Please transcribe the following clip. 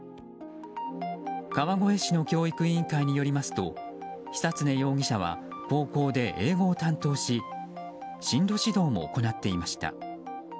川越市の教育委員会によりますと久恒容疑者は高校で英語を担当し進路指導も行っていました。